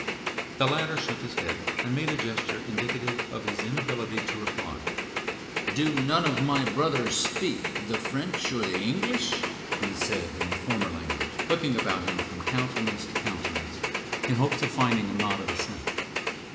The latter shook his head, and made a gesture indicative of his inability to reply. "Do none of my brothers speak the French or the English?" he said, in the former language, looking about him from countenance to countenance, in hopes of finding a nod of assent.